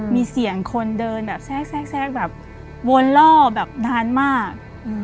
มีเสียงคนเดินแบบแทรกแบบวนล่อแบบนานมาก